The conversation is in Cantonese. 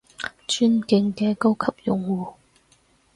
尊敬嘅高級用戶